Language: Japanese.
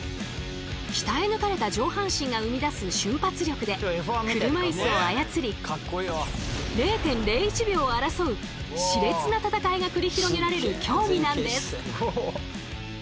鍛え抜かれた上半身が生み出す瞬発力で車いすを操り０．０１秒を争う熾烈な戦いが繰り広げられる競技なんです。